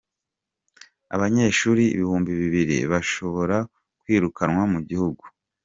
Abanyeshuri Ibihumbi Bibiri bashobora kwirukanwa mu gihugu